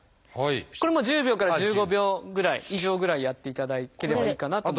これも１０秒から１５秒ぐらい以上ぐらいやっていただければいいかなと。